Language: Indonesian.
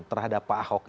terhadap pak ahok ini